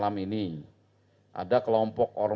kasus dan perkembangan